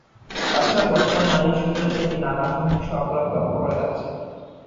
তাছাড়া বর্তমানে নারী ও শিশুদের প্রতি নানা সহিংস অপরাধ লক্ষ্য করা যাচ্ছে।